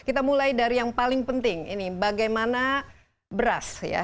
kita mulai dari yang paling penting ini bagaimana beras ya